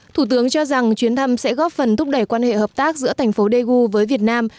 thủ tướng cho rằng chuyến thăm sẽ góp phần thúc đẩy quan hệ hợp tác giữa thành phố daegu với việt nam